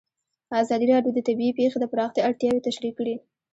ازادي راډیو د طبیعي پېښې د پراختیا اړتیاوې تشریح کړي.